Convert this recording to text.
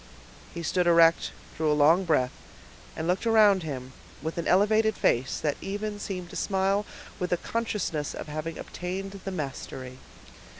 He stood erect, drew a long breath, and looked around him with an elevated face, that even seemed to smile with a consciousness of having obtained the mastery.